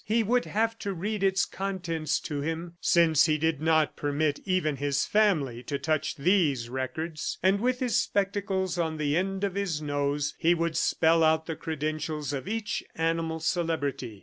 He would have to read its contents to him since he did not permit even his family to touch these records. And with his spectacles on the end of his nose, he would spell out the credentials of each animal celebrity.